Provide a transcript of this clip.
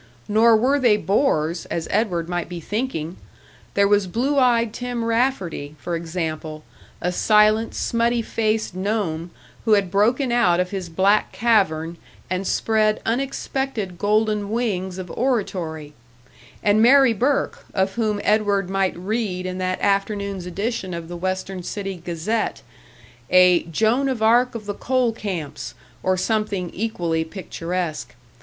Nor were they bores, as Edward might be thinking! There was blue eyed Tim Rafferty, for example, a silent, smutty faced gnome who had broken out of his black cavern and spread unexpected golden wings of oratory; and Mary Burke, of whom Edward might read in that afternoon's edition of the Western City Gazette a "Joan of Arc of the coal camps," or something equally picturesque.